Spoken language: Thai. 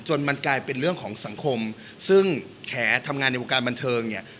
มันกลายเป็นเรื่องของสังคมซึ่งแขทำงานในวงการบันเทิงเนี่ย